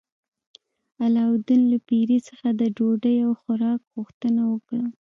علاوالدین له پیري څخه د ډوډۍ او خوراک غوښتنه وکړه.